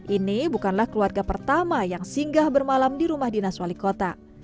ini bukanlah keluarga pertama yang singgah bermalam di rumah dinas wali kota